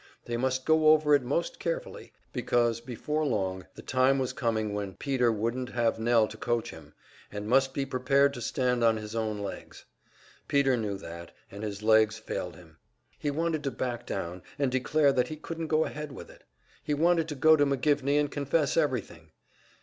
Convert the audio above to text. They must go over it most carefully, because before long the time was coming when Peter wouldn't have Nell to coach him, and must be prepared to stand on his own legs. Peter knew that, and his legs failed him. He wanted to back down, and declare that he couldn't go ahead with it; he wanted to go to McGivney and confess everything.